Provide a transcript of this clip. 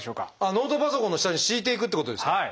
ノートパソコンの下に敷いていくっていうことですか。